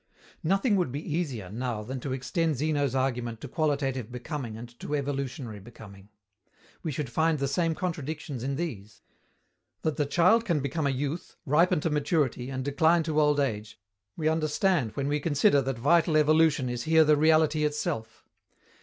Nothing would be easier, now, than to extend Zeno's argument to qualitative becoming and to evolutionary becoming. We should find the same contradictions in these. That the child can become a youth, ripen to maturity and decline to old age, we understand when we consider that vital evolution is here the reality itself.